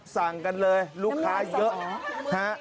สั่งกันเลยลูกค้ายักษ์เยอะ